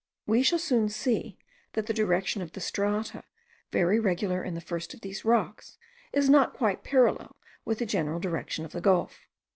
We shall soon see that the direction of the strata, very regular in the first of these rocks, is not quite parallel with the general direction of the gulf.